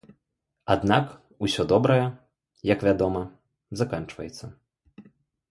Аднак усё добрае, як вядома, заканчваецца.